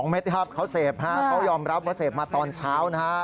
เม็ดครับเขาเสพฮะเขายอมรับว่าเสพมาตอนเช้านะฮะ